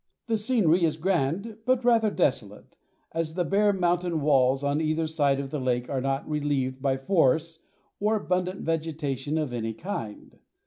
The scenery is grand, but rather desolate, as the bare mountain walls on either side of the lake are not relieved by forests or abundant vegetation of any kind.